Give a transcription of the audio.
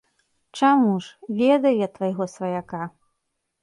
Чаму ж, ведаю я твайго сваяка.